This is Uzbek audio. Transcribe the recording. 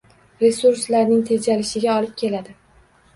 Resurslarning tejalishiga olib keladi.